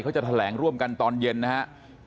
เขาจะแถลงร่วมกันตอนเย็นนะครับ